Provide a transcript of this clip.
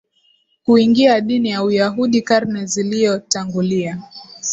kuingia dini ya Uyahudi karne ziliyotangulia